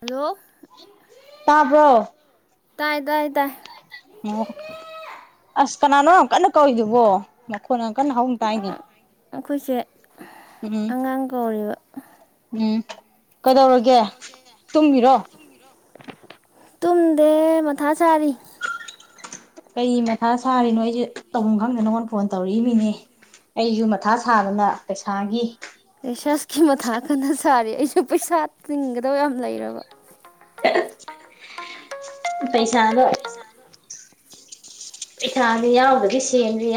hello ꯇꯥꯕ꯭ꯔꯣ ꯇꯥꯏ ꯇꯥꯏ ꯇꯥꯏ ꯑꯣ ꯑꯁ ꯀꯅꯥꯅꯣ ꯌꯥꯝ ꯀꯟꯅ ꯀꯧꯔꯤꯗꯨꯕꯣ ꯐꯅꯌꯥꯝ ꯀꯟꯅ ꯍꯥꯎꯅ ꯇꯥꯏꯅꯦ ꯑꯩꯈꯣꯏꯁꯦ ꯎꯝ ꯑꯉꯥꯡ ꯀꯧꯔꯤꯕ ꯎꯝ ꯀꯩꯗꯧꯔꯤꯒꯦ ꯇꯨꯝꯃꯤꯔꯣ ꯇꯨꯝꯗꯦ ꯃꯊꯥ ꯁꯥꯥꯔꯤ ꯀꯩ ꯃꯊꯥ ꯁꯥꯔꯤꯅꯣ ꯑꯩꯁꯦ ꯇꯧꯐꯝ ꯈꯪꯗꯗꯅ ꯅꯪꯉꯣꯟꯗ ꯐꯣꯟ ꯇꯧꯔꯛꯏꯃꯤꯅꯦ ꯑꯩꯁꯨ ꯃꯊꯥ ꯁꯥꯗꯅ ꯄꯩꯁꯥꯒꯤ ꯔꯤꯁꯔꯁꯀꯤ ꯃꯊꯥ ꯀꯟꯅ ꯁꯥꯔꯤ ꯑꯩꯁꯨ ꯄꯩꯁꯥ ꯇꯤꯡꯒꯗꯕ ꯌꯥꯝ ꯂꯩꯔꯕ ꯄꯩꯁꯥꯗꯣ ꯄꯩꯁꯥꯅꯤ ꯌꯥꯎꯗ꯭ꯔꯗꯤ ꯁꯦꯝꯗ꯭ꯔꯤ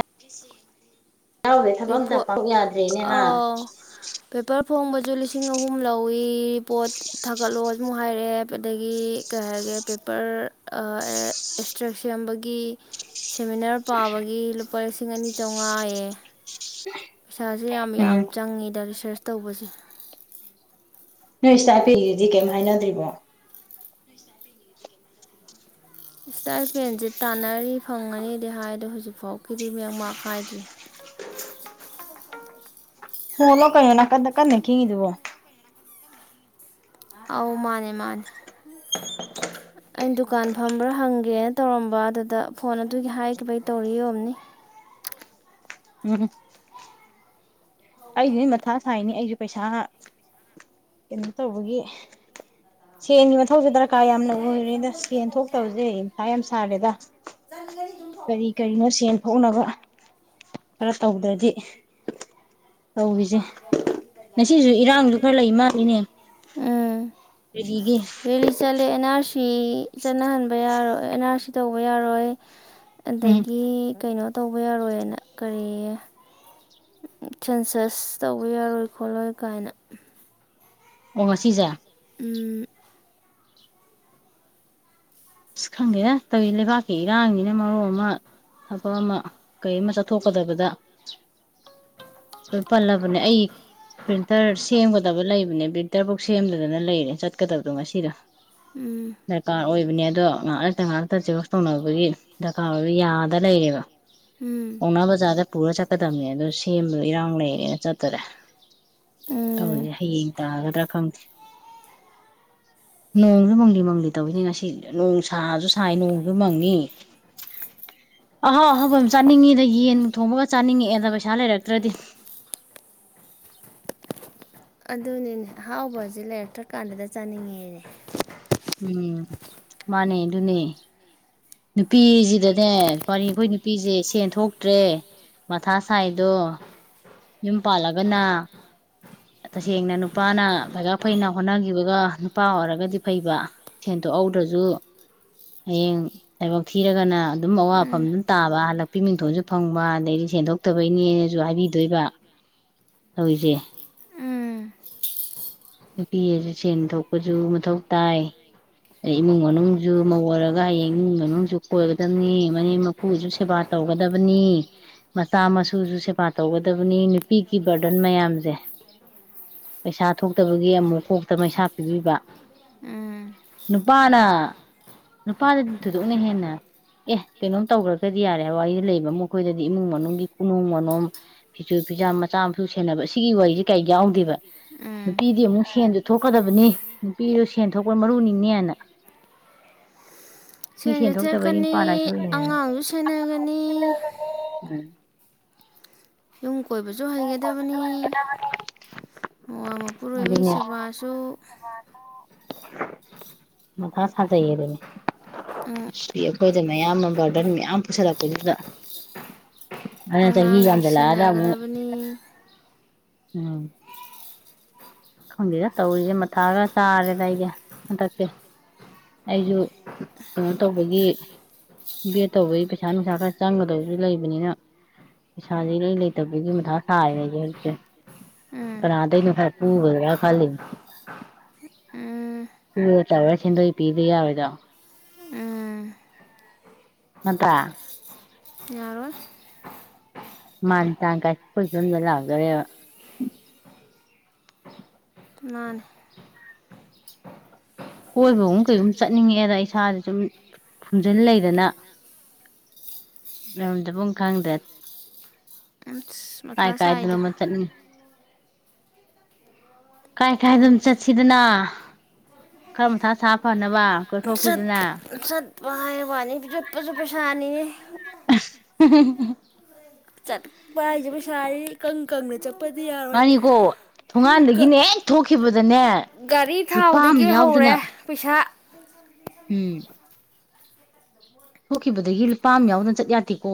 ꯌꯥꯎꯗ꯭ꯔꯗꯤ ꯊꯕꯛ ꯑꯝꯇ ꯔꯤꯄꯣꯔꯠ ꯄꯥꯡꯊꯣꯛ ꯌꯥꯗ꯭ꯔꯦꯅꯦ ꯍꯥ ꯑꯥꯎ ꯄꯦꯄꯔ ꯐꯣꯡꯕꯁꯨ ꯂꯤꯁꯤꯡ ꯑꯍꯨꯝ ꯂꯧꯋꯤ ꯔꯤꯄꯣꯠ ꯊꯥꯒꯠꯂꯣ ꯑꯃꯨꯛ ꯍꯥꯏꯔꯛꯑꯦ ꯑꯗꯒꯤ ꯀꯩ ꯍꯥꯏꯒ꯭ꯔꯦ ꯄꯦꯄꯔ ꯑꯦꯛꯁꯇ꯭ꯔꯦꯛ ꯁꯦꯝꯕꯒꯤ ꯁꯦꯃꯤꯅꯥꯔ ꯄꯥꯕꯒꯤ ꯂꯨꯄꯥ ꯂꯤꯁꯤꯡ ꯑꯅꯤ ꯆꯥꯝꯃꯉꯥꯑꯦ ꯄꯩꯁꯥꯁꯦ ꯌꯥꯝ ꯌꯥꯝ ꯎꯝ ꯆꯪꯉꯤꯗ ꯂꯤꯁꯤꯡ ꯐ꯭ꯔꯦꯁ ꯇꯧꯕꯁ [inaudible] ꯅꯣꯏ ꯏꯁꯇꯥꯄꯦꯟꯒꯤꯗꯤ ꯀꯩꯝ ꯍꯥꯏꯅꯗ꯭ꯔꯤꯕꯣ ꯏꯁꯇꯥꯏꯄꯦꯟꯁꯦ ꯇꯥꯟꯅꯔꯤ ꯐꯪꯒꯅꯤꯗꯤ ꯍꯥꯏꯗꯣ ꯍꯧꯖꯤꯛꯐꯥꯎꯀꯤꯗꯤ ꯃꯦꯛ ꯃꯥꯛ ꯈꯥꯏꯗ꯭ꯔꯤ ꯐꯣꯜꯂꯣ ꯀꯩꯅꯣ ꯅꯥꯀꯟꯗ ꯀꯟꯅ ꯈꯤꯉꯤꯗꯨꯕꯣ ꯑꯧ ꯃꯥꯅꯦ ꯃꯥꯅꯦ ꯑꯩꯅ ꯗꯨꯀꯥꯟ ꯐꯝꯕ꯭ꯔꯥ ꯍꯪꯒꯦꯅ ꯇꯧꯔꯝꯕ ꯑꯗꯨꯗ ꯐꯣꯟ ꯑꯗꯨꯒꯤ ꯍꯥꯏꯈꯤꯕꯩ ꯇꯧꯔꯛꯏ ꯑꯣꯏꯔꯝꯅꯤ ꯎꯝ ꯑꯩꯗꯨꯗꯤ ꯃꯊꯥ ꯁꯥꯏꯅꯦ ꯑꯩꯁꯨ ꯄꯩꯁꯥ ꯀꯩꯅꯣ ꯇꯧꯕꯒꯤ ꯁꯦꯟꯒꯤ ꯃꯊꯧꯁꯦ ꯗꯔꯀꯥꯔ ꯌꯥꯝꯅ ꯑꯣꯏꯔꯦꯗ ꯁꯦꯟ ꯊꯣꯛꯇꯕꯁꯦ ꯃꯊꯥ ꯌꯥꯝ ꯁꯥꯔꯦꯗ ꯀꯔꯤ ꯀꯔꯤꯅꯣ ꯁꯦꯟ ꯊꯣꯛꯅꯕ ꯈꯔ ꯇꯧꯗ꯭ꯔꯗꯤ ꯇꯧꯔꯤꯁꯦ ꯉꯁꯤꯁꯨ ꯏꯔꯥꯡꯁꯨ ꯈꯔ ꯂꯩ ꯃꯥꯜꯂꯤꯅꯦ ꯔꯦꯂꯤꯒꯤ ꯔꯦꯜꯂꯤ ꯆꯠꯂꯦ ꯑꯟ ꯅꯔ ꯁꯤ ꯁꯤ ꯆꯠꯅꯍꯟꯕ ꯌꯥꯔꯣꯏ ꯑꯦꯟ ꯑꯥꯔ ꯁꯤ ꯇꯧꯕ ꯌꯥꯔꯣꯏ ꯎꯝ ꯑꯗꯒꯤ ꯀꯩꯅꯣ ꯇꯧꯕ ꯌꯥꯔꯣꯏ ꯍꯥꯏꯅ ꯀꯔꯤ ꯁꯦꯟꯁꯁ ꯇꯧꯕ ꯌꯥꯔꯣꯏ ꯈꯣꯠꯂꯣꯏ ꯀꯥꯏꯅ ꯑꯣ ꯉꯁꯤꯁꯦ ꯎꯝ ꯑꯁ ꯈꯪꯗꯦꯗ ꯇꯧꯋꯤ ꯂꯩꯕꯥꯛꯀꯤ ꯏꯔꯥꯡꯖꯤꯅ ꯃꯔꯣꯜ ꯑꯃ ꯊꯕꯛ ꯑꯃ ꯀꯩ ꯑꯃ ꯆꯠꯊꯣꯛꯀꯗꯕꯗ ꯂꯣꯏꯅ ꯄꯜꯂꯕꯅꯦ ꯑꯩ ꯄ꯭ꯔꯤꯟꯇꯔ ꯁꯦꯝꯒꯗꯕ ꯂꯩꯕꯅꯦ ꯄ꯭ꯔꯤꯟꯇꯔꯕꯨꯛ ꯁꯦꯝꯗꯗꯅ ꯂꯩꯔꯦ ꯆꯠꯀꯗꯕꯗꯣ ꯉꯁꯤꯗ ꯎꯝ ꯗꯔꯀꯥꯔ ꯑꯣꯏꯕꯅꯤ ꯗꯣ ꯉꯍꯥꯛ ꯂꯩꯇ ꯉꯍꯥꯛ ꯂꯩꯇ ꯖꯦꯔꯣꯛꯁ ꯇꯧꯅꯕꯒꯤ ꯗꯔꯀꯥꯔ ꯑꯣꯏꯕꯒꯤ ꯌꯥꯗ ꯂꯩꯔꯦꯕ ꯎꯝ ꯄꯧꯅꯥ ꯕꯖꯥꯔꯗ ꯄꯨꯔ ꯆꯠ ꯆꯠꯀꯗꯕꯅꯦ ꯑꯗꫭ ꯁꯦꯝꯕꯗꯣ ꯏꯔꯥꯡ ꯂꯩꯔꯦꯅ ꯆꯠꯇꯔꯦ ꯎꯝ ꯇꯧꯔꯤꯁꯦ ꯍꯌꯦꯡ ꯇꯥꯒꯗ꯭ꯔꯥ ꯈꯪꯗꯦ ꯅꯣꯡꯁꯨ ꯃꯪꯂꯤ ꯃꯪꯂꯤ ꯇꯧꯋꯤꯅꯦ ꯉꯁꯤ ꯅꯣꯡꯁꯨ ꯁꯥꯁꯨ ꯁꯥꯏ ꯅꯣꯡꯁꯨ ꯃꯪꯅꯤ ꯑꯍꯥꯎ ꯑꯍꯥꯎꯕ ꯌꯥꯝ ꯆꯥꯅꯤꯡꯉꯤꯗ ꯌꯦꯟ ꯊꯣꯡꯕꯒ ꯆꯥꯅꯤꯡꯉꯛꯑꯦꯗ ꯄꯩꯁꯥ ꯂꯩꯔꯛꯇ꯭ꯔꯗꯤ ꯑꯗꯨꯅꯤꯅꯦ ꯑꯍꯥꯎꯕꯁꯦ ꯂꯩꯔꯛꯇ꯭ꯔ ꯀꯥꯟꯗꯗ ꯆꯥꯅꯤꯡꯉꯦꯅꯦ ꯎꯝ ꯃꯥꯟꯅꯦ ꯑꯗꯨꯅꯦ ꯅꯨꯄꯤꯖꯤꯗꯅꯦ ꯋꯔꯤꯅꯤ ꯑꯩꯈꯣꯏ ꯅꯨꯄꯤꯖꯦ ꯁꯦꯟ ꯊꯣꯛꯇ꯭ꯔꯦ ꯃꯊꯥ ꯁꯥꯏꯗꯣ ꯌꯨꯝ ꯄꯥꯜꯂꯒꯅ ꯇꯁꯦꯡꯅ ꯅꯨꯄꯥꯅ ꯐꯩꯒꯥꯛ ꯐꯩꯅ ꯍꯣꯠꯅꯒꯤꯕꯒ ꯅꯨꯄꯥ ꯑꯣꯏꯔꯒꯗꯤ ꯐꯩꯕ ꯁꯦꯟ ꯊꯣꯛꯍꯧꯗ꯭ꯔꯖꯨ ꯍꯌꯦꯡ ꯂꯥꯏꯕꯛ ꯊꯤꯔꯒꯅ ꯑꯗꯨꯝ ꯑꯋꯥꯐꯝ ꯎꯝ ꯑꯗꯨꯝ ꯇꯥꯕ ꯍꯜꯂꯛꯄꯤ ꯃꯤꯡꯊꯣꯟꯖꯨ ꯐꯪꯕ ꯑꯗꯩꯗꯤ ꯁꯦꯟꯗꯣꯛꯇꯕꯩꯅꯦꯅꯖꯨ ꯍꯥꯏꯕꯤꯗꯣꯏꯕ ꯇꯧꯔꯤꯖꯦ ꯎꯝ ꯅꯨꯄꯤꯑꯖꯦ ꯁꯦꯟ ꯊꯣꯛꯄꯖꯨ ꯃꯊꯧ ꯇꯥꯏ ꯑꯂꯩ ꯏꯃꯨꯡ ꯃꯅꯨꯡꯁꯨ ꯃꯧ ꯑꯣꯏꯔꯒ ꯍꯌꯦꯡ ꯏꯃꯨꯡ ꯃꯅꯨꯡꯖꯨ ꯀꯣꯏꯒꯗꯕꯅꯤ ꯃꯅꯦꯝ ꯃꯀꯨꯖꯨ ꯁꯦꯕꯥ ꯇꯧꯒꯗꯕꯅꯤ ꯃꯆꯥ ꯃꯁꯨꯖꯨ ꯁꯦꯕꯥ ꯇꯧꯒꯗꯕꯅꯤ ꯅꯨꯄꯤꯒꯤ ꯕꯔꯗꯟ ꯃꯌꯥꯝꯖꯦ ꯄꯩꯁꯥ ꯊꯣꯛ ꯇꫭꯛꯇꯕꯒꯤ ꯑꯃꯨꯛ ꯀꯣꯛꯇ ꯃꯩꯁꯥ ꯄꯤꯕꯤꯕ ꯎꯝ ꯅꯨꯄꯥꯅ ꯅꯨꯄꯥꯗꯗꯤ ꯊꯣꯏꯗꯣꯛꯅ ꯍꯦꯟꯅ ꯑꯦ ꯀꯩꯅꯣꯝ ꯇꯧꯈ꯭ꯔꯒꯗꯤ ꯌꯥꯔꯦ ꯍꯥꯏꯕ ꯋꯥꯔꯤꯗꫭ ꯂꯩꯕ ꯃꯈꯣꯏꯗꯗꯤ ꯏꯃꯨꯡ ꯃꯅꯨꯡꯒꯤ ꯀꯨꯅꯣꯝ ꯃꯅꯣꯝ ꯐꯤꯁꯨ ꯐꯤꯖꯥꯝ ꯃꯆꯥ ꯃꯁꯨ ꯁꯦꯟꯅꯕ ꯁꯤꯒꯤ ꯋꯥꯔꯤꯁꯦ ꯀꯩ ꯌꯥꯎꯗꯦꯕ ꯎꯝ ꯅꯨꯄꯤꯗꯤ ꯑꯃꯨꯛ ꯁꯦꯟꯖꯨ ꯊꯣꯛꯀꯗꯕꯅꯤ ꯅꯨꯄꯤꯖꯨ ꯁꯦꯟ ꯊꯣꯛꯄ ꯃꯔꯨꯅꯤꯅꯦꯅ ꯅꯨꯄꯤ ꯁꯦꯟꯖꯨ ꯁꯦꯟ ꯊꯣꯛꯇꯕꯩ ꯊꫭꯛꯀꯅꯤ ꯅꯨꯄꯥ ꯂꯥꯏꯊꯣꯛꯏꯅꯦꯅ ꯑꯉꯥꯡꯖꯨ ꯁꯦꯟꯅꯒꯅꯤ ꯎꯝ ꯌꯨꯝ ꯀꯣꯏꯕꯁꯨ ꯍꯩꯒꯗꯕꯅꯤ ꯃꯋꯥ ꯃꯄꯨꯔꯣꯏꯕꯒꯤ ꯑꯗꯨꯅꯦ ꯁꯦꯕꯥꯁꯨ ꯃꯊꯥ ꯁꯥꯖꯩꯌꯦ ꯗꯨꯅꯦ ꯅꯨꯄꯤ ꯑꯩꯈꯣꯏꯗ ꯑꯌꯥꯝꯕ ꯕꯔꯗꯟ ꯃꯌꯥꯝ ꯄꯨꯁꯜꯂꯛꯄꯗꯨꯗ ꯆꯍꯤ ꯌꯝꯖꯜꯂꯛ ꯑꯒ ꯑꯃꯨꯛ ꯃꯅꯤ ꯎꯝ ꯈꯪꯗꯦꯗ ꯇꯧꯔꯤꯖꯦ ꯃꯊꯥ ꯈꯔ ꯆꯥꯔꯦꯗ ꯑꯩꯗꯤ ꯍꯟꯗꯛꯁꯦ ꯑꯩꯖꯨ ꯀꯩꯅꯣ ꯇꯧꯕꯒꯤ ꯕꯦꯠ ꯇꯧꯕꯒꯤ ꯄꯩꯁꯥ ꯅꯨꯡꯁꯥ ꯈꯔ ꯆꯪꯒꯗꯕꯁꯨ ꯂꯩꯕꯅꯤꯅ ꯄꯩꯁꯥꯥꯖꯦ ꯏꯔꯩ ꯂꯩꯇꯕꯒꯤ ꯃꯊꯥ ꯁꯥꯥꯔꯦ ꯑꯩꯁ ꯍꯧꯖꯤꯛꯁꯦ ꯎꯝ ꯀꯅꯥꯗꯩꯅꯣ ꯍꯥꯏꯔꯛꯄ ꯍꯨꯒꯗ꯭ꯔ ꯈꯜꯂꯤꯅꯤ ꯎꯝ ꯇꯧꯔꯥ ꯁꯦꯟꯗꯣꯏ ꯄꯤꯗꯣꯏ ꯌꯥꯔꫭꯏꯗ꯭ꯔꫭ ꯎꯝ ꯉꯥꯟꯇ ꯌꯥꯔꯣꯏ ꯃꯥꯟꯁ ꯀꯥꯏ ꯐꯁꯟꯂ ꯍꯧꯒꯔꯦ ꯃꯥꯅꯦ ꯀꯣꯏꯕꯒꯨꯝ ꯀꯩꯒꯨꯝ ꯆꯠꯅꯤꯡꯉꯦꯗ ꯏꯁꯥꯥꯖꯦ ꯁꯨꯝ ꯐꯨꯝꯖꯤꯟ ꯂꯩꯗꯅ ꯂꯩꯕꯝ ꯆꯥꯕꯝ ꯈꯪꯗ‍꯭ꯔꯦ ꯑꯁ ꯃꯊꯥ ꯀꯥꯏ ꯀꯥꯏꯗꯅꫭ ꯁꯥꯏꯗ ꯑꯃ ꯆꯠꯅꯤꯡ ꯀꯥꯏ ꯀꯥꯏꯗꯅꯣꯝ [unintelligible] ꯆꯠꯁꯤꯗꯅ ꯈꯔ ꯃꯊꯥ ꯁꯥ ꯐꯅꯕ ꯀꯣꯏꯊꯣꯛꯈꯤꯗꯅ ꯅꯤꯅꯦ [unintelligible] ꯆꯠꯄ ꯍꯥꯏꯖꯦ ꯄꯩꯁꯥꯅꯤꯅꯦ ꯏꯀꯪ ꯀꯪꯅ ꯆꯠꯄꯗꯤ ꯌꯥꯔꯣꯏ ꯃꯥꯅꯤꯀꯣ ꯊꯣꯡꯉꯥꯟꯗꯒꯤꯅꯦ ꯍꯦꯛ ꯊꯣꯛ ꯈꯤꯕꯗꯥ ꯒꯥꯔꯤ ꯊꯥꯎꯗꯒꯤ ꯍꯧꯔꯦ ꯄꯩꯁꯥ ꯎꯝ ꯊꯣꯛꯈꯤꯕꯗꯒꯤ ꯂꯨꯄꯥꯝ ꯌꯥꯎꯗꯅ ꯆꯠ ꯌꯥꯗꯦꯀꯣ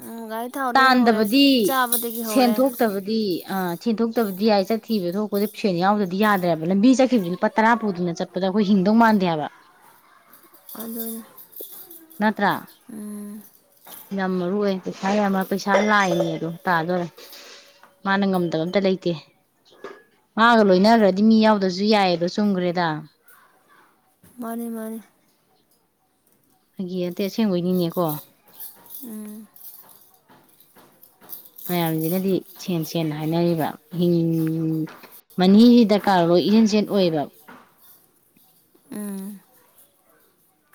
ꯎꯝ ꯒꯥꯔꯤ ꯊꯥꯎꯗꯩ ꯍꯧꯔꯦ ꯇꯥꯟꯗꯕꯗꯤ ꯆꯥꯕꯗꯒꯤ ꯍꯧꯔꯦ ꯁꯦꯟꯊꯣꯛꯇꯕꯗꯤ ꯑꯥ ꯁꯦꯟꯊꯣꯛꯇꯕꯗꯤ ꯌꯥꯏ ꯆꯠꯈꯤꯕꯗ ꯊꯣꯛꯄꯗꯤ ꯁꯦꯟ ꯌꯥꯎꯗꯗꯤ ꯌꯥꯗ꯭ꯔꯦꯕ ꯂꯝꯕꯤ ꯆꯠꯈꯤꯕꯖꯦ ꯂꯨꯄꯥ ꯇꯔꯥ ꯄꯨꯗꯨꯅ ꯆꯠꯄꯗ ꯑꯩꯈꯣꯏ ꯍꯤꯡꯗꯧ ꯃꯥꯟꯗꯦꯕ ꯑꯗꯨꯅꯩ ꯅꯠꯇ꯭ꯔꯥ ꯉꯝꯃꯔꫭꯏ ꯄꯩꯁꯥ ꯑꯃ ꯄꯩꯁꯥ ꯂꯥꯏꯅꯦꯗꯣ ꯇꯥꯗꯣꯔꯦ ꯃꯥꯅ ꯉꯝꯗꯕ ꯑꯝꯇ ꯂꯩꯇꯦ ꯃꯥꯒ ꯂꯣꯏꯅꯒ‍꯭ꯔꯗꯤ ꯃꯤ ꯌꯥꯎꯗ꯭ꯔꯖꯨ ꯌꯥꯏꯌꯦꯗꯣ ꯆꯨꯝꯈ꯭ꯔꯦꯗ ꯃꯥꯅꯤ ꯃꯥꯅꯤ ꯐꯥꯒꯤ ꯅꯠꯇꯩ ꯑꯁꯦꯡꯕꯩꯅꯤꯅꯦꯀꯣ ꯎꯝ ꯃꯌꯥꯝꯖꯤꯅꯗꯤ ꯁꯦꯟ ꯁꯦꯟꯅ ꯍꯥꯏꯅꯔꯤꯕ ꯍꯤꯡ ꯃꯅꯤꯖꯤ ꯗꯔꯀꯥꯔ ꯔꫭꯏ ꯏꯔꯦꯟ ꯁꯦꯟ ꯑꯣꯏꯕ ꯎꯝ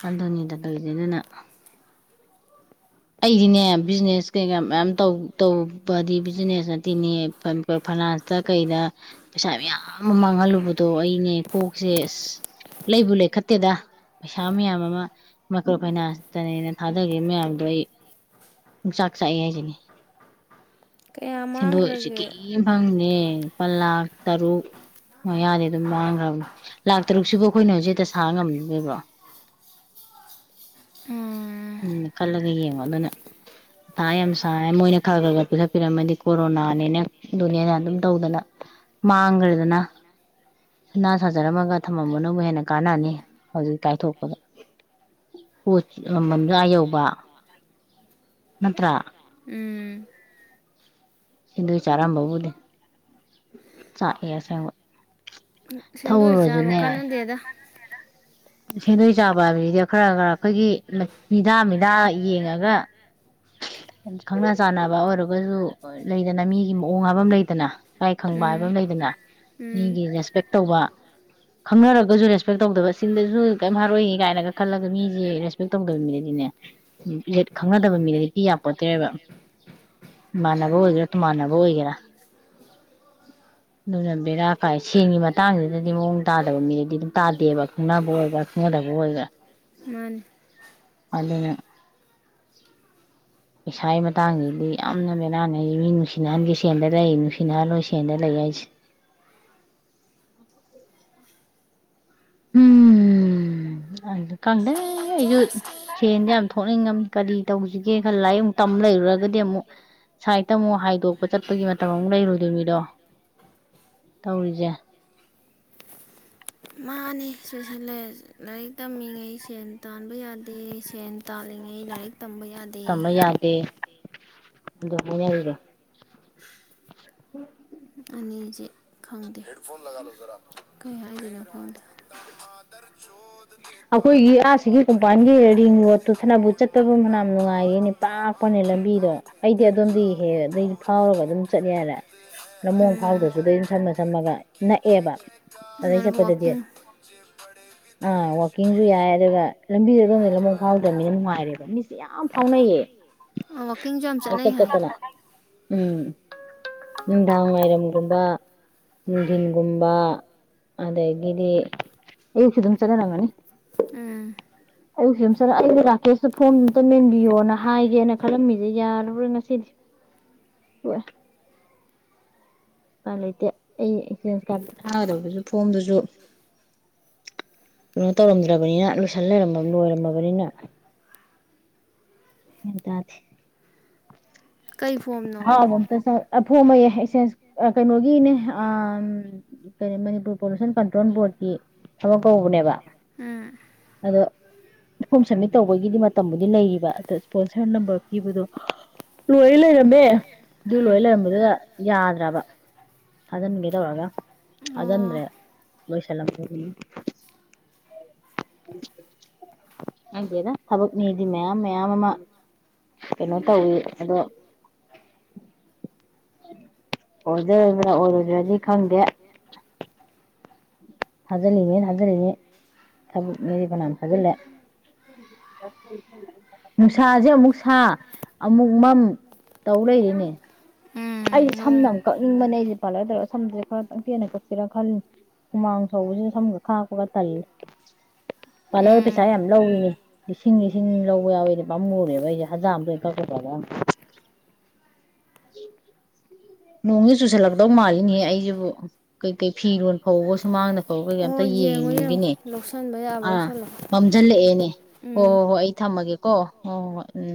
ꯑꯗꯨꯅꯤꯗ ꯇꯥꯎꯖꯦ ꯑꯗꯨꯅ ꯑꯩꯗꯤꯅꯦ ꯕꯤꯖꯤꯅꯦꯁ ꯀꯩꯀꯥ ꯃꯌꯥꯝ ꯇꯧ ꯇꯧꯕꯗꯤ ꯕꯤꯖꯤꯅꯦꯁ ꯅꯠꯇꯦꯅꯦ ꯐꯥ ꯐꯥꯏꯅꯥꯟꯁꯇ ꯀꯩꯗ ꯄꯩꯁꯥ ꯃꯌꯥꯝ ꯑꯃ ꯃꯥꯡꯍꯜꯂꯨꯕꯗꯣ ꯑꯩꯅꯦ ꯀꯣꯛꯁꯦ ꯑꯁ ꯂꯩꯕꯨ ꯂꯩꯈꯠꯇꯦꯗ ꯄꯩꯁꯥ ꯃꯌꯥꯝ ꯑꯃ ꯃꯥꯏꯀ꯭ꯔꯣ ꯐꯥꯏꯅꯥꯟꯁꯇꯅꯦꯅ ꯊꯥꯗꯈꯤꯕ ꯃꯌꯥꯝꯗꯣ ꯑꯩ ꯃꯨꯡꯆꯥꯛ ꯆꯥꯛꯏ ꯍꯥꯏꯖꯦꯅꯦ ꯀꯌꯥ ꯀꯗꯣ ꯆ ꯀꯀꯤ ꯃꯥꯡꯈ꯭ꯔꯒꯦ ꯐꯅꯦ ꯂꯨꯄꯥ ꯂꯥꯛ ꯇꯥꯔꯨꯛ ꯃꯌꯥꯗꯤ ꯑꯗꯨꯝ ꯃꯪꯔꯝꯅꯤ ꯂꯥꯛ ꯇꯥꯔꯨꯛ ꯁꯤꯕꯨ ꯑꯈꯣꯏꯅꯥ ꯍꯧꯖꯤꯛ ꯍꯦꯛꯇꯥ ꯁꯥꯕ ꯉꯝꯒꯤꯗꯣꯏꯕꯔꯣ ꯎꯝ ꯈꯟꯂꯒꯥ ꯌꯦꯪꯒꯨ ꯑꯗꯨꯅ ꯊꯥ ꯌꯥꯝ ꯁꯥꯏꯦ ꯃꯣꯏꯅ ꯈꯔ ꯈꯔ ꯈꯔ ꯄꯤꯊꯠꯄꯤꯔꯝꯃꯗꯤ ꯀꯣꯔꯣꯅꯥꯅꯦꯅ ꯑꯗꯨꯅꯦꯅ ꯑꯗꯨꯝ ꯇꯧꯗꯅ ꯃꯥꯡꯈ꯭ꯔꯦꯗꯅ ꯁꯅꯥ ꯁꯥꯖꯔꯝꯃꯒ ꯊꯝꯃꯝꯕꯅꯕꯨ ꯍꯦꯟꯅ ꯀꯥꯟꯅꯅꯤ ꯍꯧꯖꯤꯛ ꯀꯥꯏꯊꯣꯛꯄꯗ ꯄꯣꯠ ꯃꯃꯟꯁꯨ ꯑ ꯌꯧꯕ ꯅꯠꯇ꯭ꯔ ꯎꯝ ꯁꯤꯡꯗꯣꯏ ꯆꯥꯔꯝꯕꯥꯎꯕꯨꯗꯤ ꯆꯥꯛꯏ ꯑꯁꯦꯡꯕ ꯁꯦꯟꯗꯣꯛ ꯆꯥꯕ ꯊꯧꯔꯨꯔꯁꯨꯅꯦ ꯀꯥꯟꯅꯗꯦꯗ ꯁꯦꯟꯗꯣꯏ ꯆꯥꯕ ꯍꯥꯏꯕꯁꯤꯗꯤ ꯈꯔ ꯈꯔ ꯑꯩꯈꯣꯏꯒꯤ ꯃꯤꯅꯤꯗꯥ ꯃꯤꯗꯥ ꯌꯦꯡꯉꯒ ꯈꯪꯅ ꯆꯥꯟꯅꯕ ꯑꯣꯏꯔꯒꯁꯨ ꯂꯩꯗꯅ ꯃꯤꯒꯤ ꯃꯑꯣꯡ ꯍꯥꯏꯕ ꯑꯃ ꯂꯩꯗꯅ ꯏꯀꯥꯏ ꯈꯪꯕ ꯍꯥꯏꯕ ꯎꯝ ꯑꯃ ꯂꯩꯗꯅ ꯎꯝ ꯃꯤꯒꯤ ꯔꯦꯁꯄꯦꯛ ꯇꯧꯕ ꯈꯪꯅꯔꯒꯁꯨ ꯔꯦꯁꯄꯦꯛ ꯇꯧꯗꯕ ꯁꯤꯟꯗꯁꯨ ꯀꯩꯝ ꯍꯥꯏꯔꯣꯏꯒ ꯀꯥꯏꯅꯒ ꯈꯜꯂꯒ ꯃꯤꯁꯦ ꯔꯦꯁꯄꯦꯛ ꯇꯧꯗꯕ ꯃꯤꯅꯗꯤꯅꯦ ꯈꯪꯅꯗꯕ ꯃꯤꯅꯗꯤ ꯍꯥꯏꯄꯤ ꯌꯥꯄꯣꯠꯇ꯭ꯔꯦꯕ ꯏꯃꯥꯟꯅꯕ ꯑꯣꯏꯒꯦꯔꯥ ꯇꯨꯃꯥꯟꯅꯕ ꯑꯣꯏꯒꯦꯔꯥ ꯑꯗꯨꯅ ꯕꯦꯔꯥ ꯀꯥꯏ ꯁꯦꯟꯒꯤ ꯃꯇꯥꯡꯁꯤꯗꯗꯤ ꯃꯑꯣꯡ ꯇꯥꯗꯕ ꯃꯤꯗꯗꯤ ꯑꯗꯨꯝ ꯇꯥꯗꯦꯕ ꯈꯨꯡꯅꯕ ꯑꯣꯏꯒꯦꯔꯥ ꯈꯨꯡꯅꯗꯕ ꯑꯣꯏꯒꯦꯔꯥ ꯃꯥꯥꯟ ꯑꯂꯦ ꯄꯩꯁꯥꯒꯤ ꯃꯇꯥꯡꯁꯤꯗꯤ ꯌꯥꯝꯅ ꯃꯦꯅꯥꯟꯅꯩ ꯃꯤ ꯅꯨꯡꯁꯤꯅꯍꯟꯒꯦ ꯁꯦꯜꯗ ꯂꯩ ꯅꯨꯡꯁꯤꯅꯍꯜꯂꯣꯏ ꯁꯦꯟꯗ ꯂꯩ ꯍꯥꯏꯁꯦ ꯎꯝ ꯑꯗꯨ ꯈꯪꯗꯦ ꯑꯩꯁꯨ ꯁꯦꯟꯗ ꯌꯥꯝ ꯊꯣꯛꯅꯤꯡꯉꯝꯅꯤ ꯀꯔꯤ ꯇꯧꯁꯤꯒꯦ ꯈꯜꯂꯌꯨꯛ ꯇꯝ ꯂꯩꯔꯨꯔꯒ ꯗꯤ ꯑꯃꯨꯛ ꯁꯥꯏꯠꯇ ꯑꯃꯨꯛ ꯍꯥꯏꯗꯣꯛꯄ ꯆꯠꯄꯒꯤ ꯃꯇꯝ ꯑꯃꯨꯛ ꯂꯩꯔꯨ ꯑꯗꯨꯃꯤꯗꯣ ꯇꯧꯔꯤꯁꯦ ꯃꯥꯅꯦ ꯁꯦꯁꯂ ꯂꯥꯏꯔꯤꯛ ꯇꯝꯃꯤꯉꯩ ꯁꯦꯟ ꯇꯥꯟꯕ ꯌꯥꯗꯦ ꯁꯦꯟ ꯇꯥꯜꯂꯤꯉꯩ ꯂꯥꯏꯔꯤꯛ ꯇꯝꯕ ꯌꯥꯗꯦ ꯗ ꯃ ꯑꯣꯏꯗ ꯑꯦ ꯈꯪ ꯍ ꯐ ꯀ ꯍꯥꯏꯅ ꯐ ꯑꯩꯈꯣꯏꯒꯤ ꯑꯥꯁꯤ ꯀꯣꯡꯄꯥꯟꯒꯤ ꯔꯤꯡ ꯔꯣꯗꯨ ꯊꯕꯨ ꯆꯠꯇꯕ ꯃꯅ ꯅꯨꯡꯉꯥꯏꯔꯦꯅꯦ ꯄꯥꯛꯄꯅꯦ ꯂꯝꯕꯤꯗꯣ ꯑꯩꯗꯤ ꯑꯗꯣꯝꯗꯤ ꯍꯦꯛ ꯑꯗꯨꯗꯩ ꯐꯥꯎꯔꯒ ꯑꯗꯨꯝ ꯆꯠꯂꯦꯔꯦ ꯃꯣꯡ ꯎꯝ ꯐꯥꯎꯗꯁꯨ ꯑꯗꯨꯝ ꯁꯝꯃ ꯁꯝꯃꯒ ꯅꯛꯑꯦꯕ ꯃꯥꯅ ꯑꯗꯩ ꯆꯠꯄꯗꯗꯤ ꯋꯥꯛꯀꯤꯡ ꯑꯥ ꯀꯀꯤꯡꯁꯨ ꯌꯥꯏ ꯑꯗꯨꯒ ꯂꯝꯕꯤꯗ ꯑꯗꯣꯝꯗ ꯂꯃꯣꯡ ꯐꯥꯎꯗ꯭ꯔꯕꯅꯤꯅ ꯅꯨꯡꯉꯥꯏꯔꯦꯕ ꯃꯤꯁꯦ ꯌꯥꯝ ꯐꯥꯎꯅꯩꯌꯦ ꯋꯥꯛꯀꯤꯡꯁꯨ ꯌꯥꯝ ꯑ ꯆꯠꯅꯩ ꯆꯠ ꯍꯥꯏ ꯆꯠꯇꯅ ꯎꯝ ꯅꯨꯡꯗꯥꯡ ꯋꯥꯏꯔꯝꯒꯨꯝꯕ ꯅꯨꯡꯊꯤꯟꯒꯨꯝꯕ ꯑꯗꯒꯤꯗꯤ ꯑꯌꯨꯛꯁꯨ ꯑꯗꯨꯝ ꯆꯠꯅꯔꯝꯒꯅꯤ ꯎꯝ ꯑꯩ ꯑꯩ ꯔꯥꯀꯦꯁꯇ ꯐꯣꯝ ꯑꯝꯇ ꯃꯦꯟꯕꯤꯌꯣꯅ ꯍꯥꯏꯒꯦꯅ ꯈꯜꯂꯝꯃꯤꯁꯦ ꯌꯥꯔꯔꯣꯏ ꯉꯁꯤꯗꯤꯥꯏ ꯂꯩꯇꯦ ꯑꯩꯛꯦꯟ ꯀꯥꯔ ꯊꯥꯒꯗꯕꯁꯨ ꯐꯣꯝꯗꯨꯁꯨ ꯀꯩꯅꯣ ꯇꯧꯔꯝꯗ꯭ꯔꯕꯅꯤꯅ ꯂꯣꯏꯁꯟ ꯂꯩꯔꯃ ꯂꯣꯏꯔꯝꯃꯕꯅꯤꯅ ꯍ ꯇ ꯀꯩ ꯐꯣꯝꯅꯣ ꯐꯣ ꯑꯃꯌꯦ ꯑꯦꯛꯁꯦꯟꯁ ꯀꯩꯅꯣꯒꯤꯅꯦ ꯀ ꯃꯅꯤꯄꯨꯔ ꯄꯣꯂꯨꯁꯟ ꯀꯟꯇ꯭ꯔꯣꯜ ꯕꯣꯔꯗꯀꯤ ꯊꯕꯛ ꯀꯧꯕꯅꯦꯕ ꯎꯝ ꯑꯗꯣ ꯐꯣꯝ ꯁꯞꯃꯤꯠ ꯇꯧꯕꯒꯤꯗꯤ ꯃꯇꯝꯕꯨꯗꯤ ꯂꯩꯔꯤꯕ ꯑꯗ ꯏꯁꯄꯣꯟꯁꯔ ꯅꯝꯕꯔ ꯄꯤꯕꯗꯣ ꯂꯣꯏ ꯂꯩꯔꯝꯃꯦ ꯑꯗꯨ ꯎꯝ ꯂꯣꯏ ꯂꯩꯔꯝꯕꯗꯨꯗ ꯌꯥꯗ꯭ꯔꯕ ꯊꯥꯖꯤꯟꯒꯦ ꯇꯧꯔꯒ ꯊꯥꯖꯤꯟꯗ꯭ꯔꯦ ꯑꯣ ꯂꯣꯏꯁꯤꯜꯂꯝ ꯍꯥꯏꯗꯦꯗ ꯊꯕꯛꯅꯦꯗꯤ ꯃꯌꯥꯝ ꯃꯌꯥꯝ ꯑꯃ ꯀꯩꯅꯣ ꯇꯧꯋꯤ ꯑꯗꯣ ꯑꯣꯏꯖꯔꯕ꯭ꯔꯥ ꯑꯣꯏꯔꯣꯏꯗ꯭ꯔꯗꯤ ꯈꯪꯗꯦ ꯊꯖꯜꯂꯤꯅꯦ ꯊꯖ ꯂꯩꯅꯦ ꯃꯦꯔꯤꯕꯅꯥꯝ ꯊꯖꯜꯂ ꯁꯥꯖꯦ ꯑꯃꯨꯛ ꯁꯥ ꯑꯃꯨꯛ ꯃꯝ ꯇꯧ ꯂꯩꯔꯤꯅꯦ ꯎꯝ ꯑꯩꯁꯦ ꯅꯨꯡ ꯁꯝꯅ ꯑꯃ ꯀꯛꯅꯤꯡꯕꯅꯦ ꯑꯩꯁꯦ ꯄꯥꯔꯂꯔ ꯇꯧꯔ ꯁꯝꯗꯨꯁꯦ ꯈꯔ ꯇꯪꯊꯦꯅ ꯀꯛꯆꯦꯔꯥ ꯈꯜꯂꯤ ꯍꯨꯃꯥꯡ ꯁꯧꯕꯁꯤꯗ ꯁꯝꯒ ꯈꯥꯛꯄꯒ ꯇꯜꯂꯦ ꯄꯥꯔꯂꯔ ꯄꯩꯁꯥ ꯎꯝ ꯌꯥꯝ ꯂꯧꯏꯅꯦ ꯂꯤꯁꯤꯡ ꯂꯤꯁꯤꯡ ꯂꯧꯕ ꯌꯥꯎꯋꯤꯅꯦ ꯄꯥꯝꯃꯅꯦꯕ ꯑꯩꯁꯦ ꯍꯖꯔ ꯑꯃ ꯂ ꯀꯛꯄ ꯃꯣꯡꯉ ꯆꯨꯁꯜꯂꯛꯗꯧ ꯃꯥꯜꯂꯤꯅꯦꯍꯦ ꯑꯩꯁꯤꯕꯨ ꯀꯩꯀꯩ ꯐꯤꯔꯣ ꯐꯧꯒ ꯁꯨꯃꯥꯡꯗ ꯐꯧꯒꯩꯩ ꯑꯣ ꯑꯝꯇ ꯌꯦꯡꯉꯣ ꯌꯦꯡꯉꯣ ꯌꯦꯡꯉꯒꯤꯅꯦ ꯂꯧꯁꯟꯕ ꯌꯥꯕ ꯑꯥ ꯂꯧꯁꯜꯂꯣ ꯃꯝꯁꯤꯜꯂꯛꯑꯦꯅꯦ ꯍꯣꯏ ꯎꯝ ꯍꯣꯏ ꯍꯣꯏ ꯑꯩ ꯊꯝꯃꯒꯦ ꯀꯣ ꯑꯣ ꯎꯝ